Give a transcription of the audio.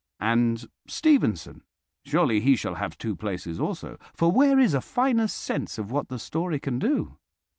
And Stevenson? Surely he shall have two places also, for where is a finer sense of what the short story can do?